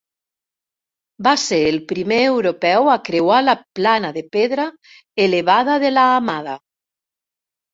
Va ser el primer europeu a creuar la plana de pedra elevada de la Hamada.